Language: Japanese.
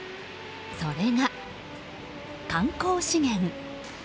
それが、観光資源。